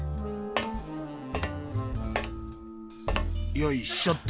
よいしょっと。